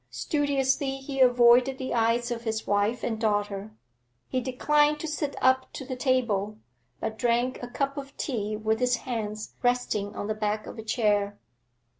Studiously he avoided the eyes of his wife and daughter. He declined to sit up to the table, but drank a cup of tea with his hands resting on the back of a chair.